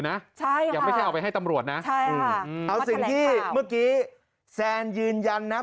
ใช่ค่ะมาแถลงข่าวอย่างไม่ได้เอาไปให้ตำรวจนะเอาสิ่งที่เมื่อกี้แซนยืนยันนะ